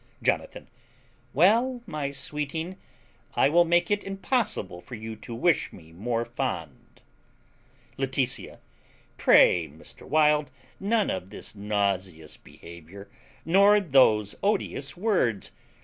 Jonathan. Well, my sweeting, I will make it impossible for you to wish me more fond. Laetitia. Pray, Mr. Wild, none of this nauseous behaviour, nor those odious words.